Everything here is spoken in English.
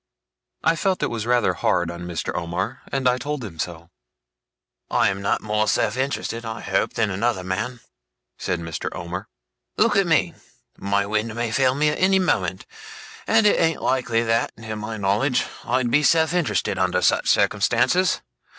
I felt it was rather hard on Mr. Omer, and I told him so. 'I'm not more self interested, I hope, than another man,' said Mr. Omer. 'Look at me! My wind may fail me at any moment, and it ain't likely that, to my own knowledge, I'd be self interested under such circumstances.